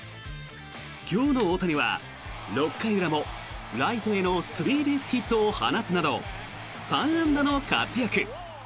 今日の大谷は６回裏もライトへのスリーベースヒットを放つなど３安打の活躍。